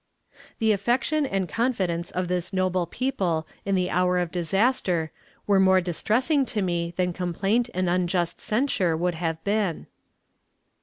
The affection and confidence of this noble people in the hour of disaster were more distressing to me than complaint and unjust censure would have been.